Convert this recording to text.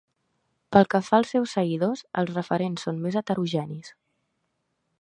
Pel que fa als seus seguidors, els referents són més heterogenis.